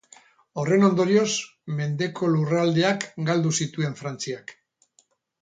Horren ondorioz, mendeko lurraldeak galdu zituen Frantziak.